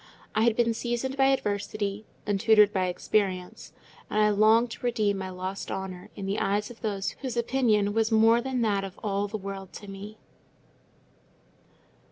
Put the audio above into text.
I had been seasoned by adversity, and tutored by experience, and I longed to redeem my lost honour in the eyes of those whose opinion was more than that of all the world to me.